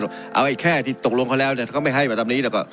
เอาอีกแค่ที่ตกลงแล้วก็ไม่ให้แบบนี้